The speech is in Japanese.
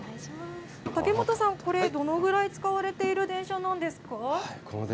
竹本さん、これ、どのぐらい使われている電車なんですか。